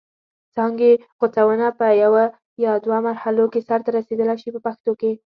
څانګې غوڅونه په یوه یا دوه مرحلو کې سرته رسیدلای شي په پښتو کې.